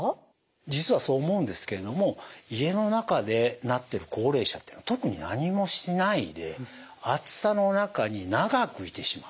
実はそう思うんですけれども家の中でなってる高齢者っていうのは特に何もしないで暑さの中に長くいてしまう。